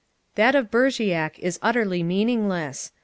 That of Bergerac is utterly meaningless.